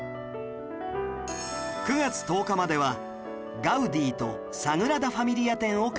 ９月１０日までは「ガウディとサグラダ・ファミリア展」を開催中